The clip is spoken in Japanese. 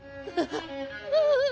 ああ。